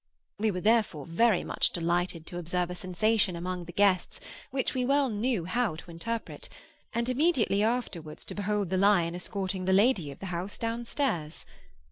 We were therefore very much delighted to observe a sensation among the guests, which we well knew how to interpret, and immediately afterwards to behold the lion escorting the lady of the house down stairs.